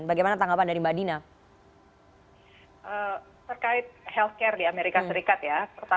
bagaimana cara untuk menyelamatkan hidup